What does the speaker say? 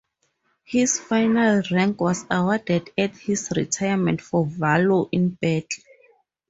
His final rank was awarded at his retirement for valor in battle.